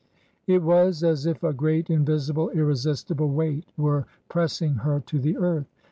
It was as if a great, invisible, irresistible weight were pressing her to the earth.